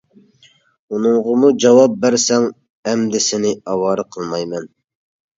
ئۇنىڭغىمۇ جاۋاب بەرسەڭ، ئەمدى سېنى ئاۋارە قىلمايمەن.